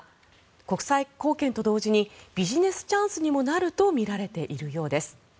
国際貢献と同時にビジネスチャンスにもなるとみられているようです。